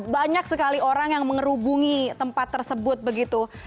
banyak sekali orang yang mengerubungi tempat tersebut begitu